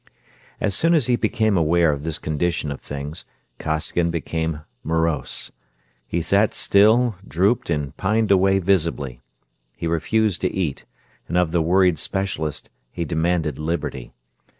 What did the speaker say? As soon as he became aware of this condition of things Costigan became morose. He sat still, drooped, and pined away visibly. He refused to eat, and of the worried specialist he demanded liberty.